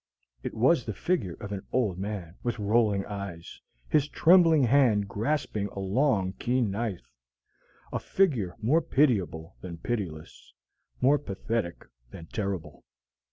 It was the figure of an old man, with rolling eyes, his trembling hand grasping a long, keen knife, a figure more pitiable than pitiless, more pathetic than terrible.